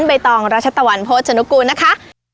ใบตองรัชตะวันโภชนุกูลนะคะ